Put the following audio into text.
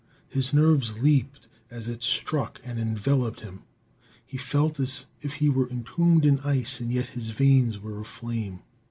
His nerves leaped as it struck and enveloped him. He felt as if he were entombed in ice, and yet his veins were aflame.